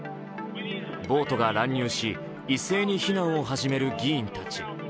暴徒が乱入し、一斉に避難を始める議員たち。